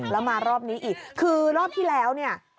แล้วมารอบนี้อีกคือรอบที่แล้วเนี่ย